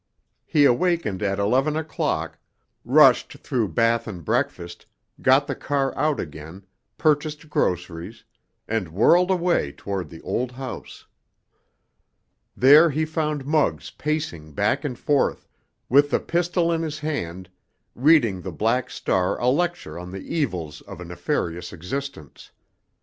He awakened at eleven o'clock, rushed through bath and breakfast, got the car out again, purchased groceries, and whirled away toward the old house. There he found Muggs pacing back and forth, with the pistol in his hand, reading the Black Star a lecture on the evils of a nefarious existence.